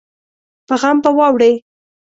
په غم به واوړې